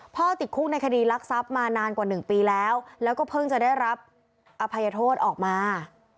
ติดคุกในคดีรักทรัพย์มานานกว่า๑ปีแล้วแล้วก็เพิ่งจะได้รับอภัยโทษออกมา